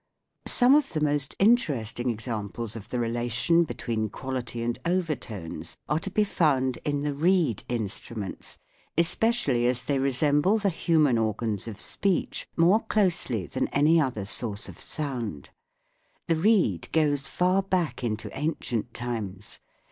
Some of the most interesting examples of the relation between quality and overtones are to be found in the " reed " instruments, espec ially as they re semble the human of speech FlG. 73. Mouthpiece of the "reed." organs more closely than any other source of sound. The reed goes far back into ancient times.